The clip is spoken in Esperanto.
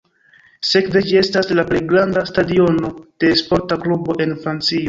Sekve ĝi estas la plej granda stadiono de sporta klubo en Francio.